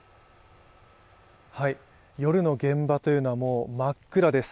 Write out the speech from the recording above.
夜の現場というのはもう真っ暗です。